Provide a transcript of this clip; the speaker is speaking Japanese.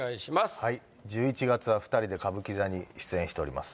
１１月は２人で歌舞伎座に出演しております